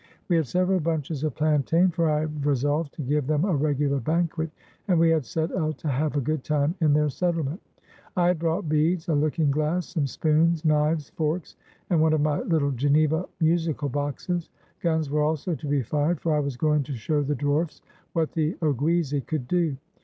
We had several bunches of plantain, for I had resolved to give them a regular banquet, and we had set out to have a good time in their settlement. I had brought beads, a looking glass, some spoons, knives, forks, and one of my little Geneva musical boxes. Guns were also to be fired, for I was going to show the dwarfs what the Oguizi could do.